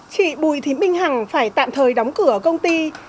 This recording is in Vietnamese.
chị bùi thị minh hằng phải tạm thời đóng cửa công ty